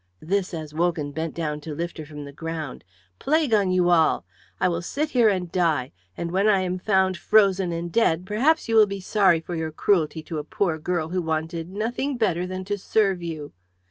this as Wogan bent down to lift her from the ground "plague on you all! I will sit here and die; and when I am found frozen and dead perhaps you will be sorry for your cruelty to a poor girl who wanted nothing better than to serve you."